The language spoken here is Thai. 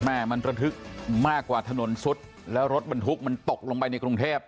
แม่มันระทึกมากกว่าถนนซุดแล้วรถบรรทุกมันตกลงไปในกรุงเทพ